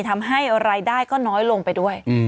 ทำให้รายได้ก็น้อยลงไปด้วย